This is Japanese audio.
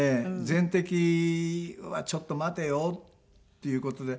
全摘はちょっと待てよっていう事で。